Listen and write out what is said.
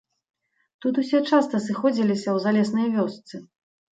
Тут усе часта сыходзіліся ў залеснай вёсцы.